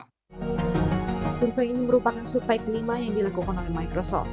tentu ini merupakan sumpah yang kelima yang dilakukan oleh microsoft